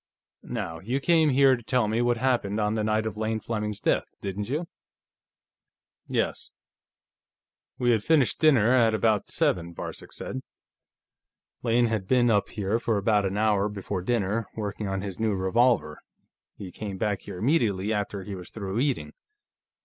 Now, you came here to tell me what happened on the night of Lane Fleming's death, didn't you?" "Yes. We had finished dinner at about seven," Varcek said. "Lane had been up here for about an hour before dinner, working on his new revolver; he came back here immediately after he was through eating.